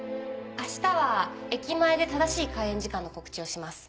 あしたは駅前で正しい開演時間の告知をします。